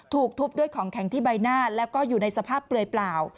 ถูกทุบด้วยของแข็งที่ใบหน้าแล้วก็อยู่ในสภาพเปลือยเปล่า